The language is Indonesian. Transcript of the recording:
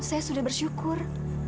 saya sudah bersyukur